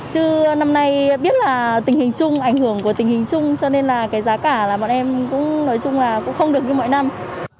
chứ năm nay biết là tình hình chung ảnh hưởng của tình hình chung cho nên là cái giá cả là bọn em cũng nói chung là cũng không được như mọi năm